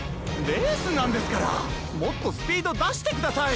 レースなんですからもっとスピードだしてください！